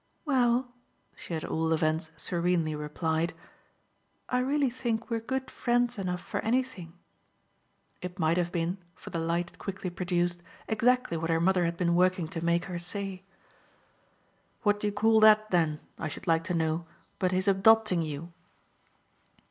"Well," she at all events serenely replied, "I really think we're good friends enough for anything." It might have been, for the light it quickly produced, exactly what her mother had been working to make her say. "What do you call that then, I should like to know, but his adopting you?"